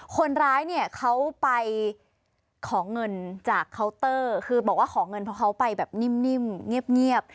คนร้ายเนี่ยเขาไปขอเงินจากเคาน์เตอร์คือบอกว่าขอเงินเพราะเขาไปแบบนิ่มเงียบ